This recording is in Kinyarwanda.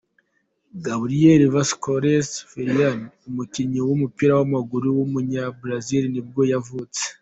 Gabriel Vasconcelos Ferreira, umukinnyi w’umupira w’amaguru w’umunyabrezil nibwo yavutse.